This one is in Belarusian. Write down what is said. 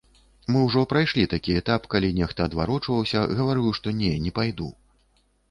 Мы ўжо прайшлі такі этап, калі нехта адварочваўся, гаварыў, што не, не пайду.